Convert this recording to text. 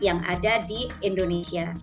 yang ada di indonesia